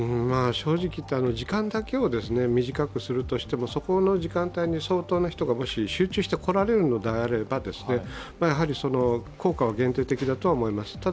正直言って時間だけを短くするとしても、そこの時間帯に相当な人が集中して来られるのであればやはり効果は限定的だとは思います。